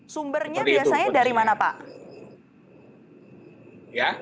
sumbernya biasanya dari mana pak